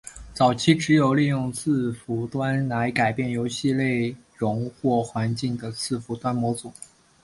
早期只有利用伺服端来改变游戏内容或环境的伺服端模组。